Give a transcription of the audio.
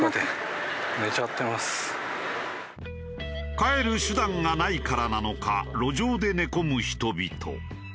帰る手段がないからなのか路上で寝込む人々。